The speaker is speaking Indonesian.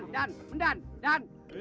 dan dan dan